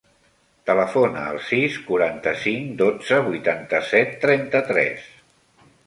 Telefona al sis, quaranta-cinc, dotze, vuitanta-set, trenta-tres.